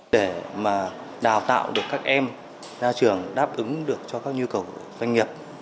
để mà đào tạo được các em ra trường đáp ứng được cho các nhu cầu doanh nghiệp